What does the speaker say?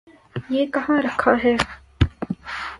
یہ کہاں رکھا ہے؟